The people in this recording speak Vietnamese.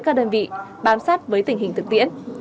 các đơn vị bám sát với tình hình thực tiễn